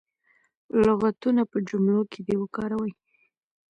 لغتونه په جملو کې دې وکاروي.